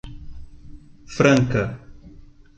Franca